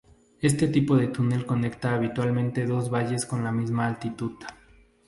Este tipo de túnel conecta habitualmente dos valles con la misma altitud.